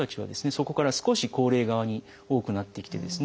そこから少し高齢側に多くなってきてですね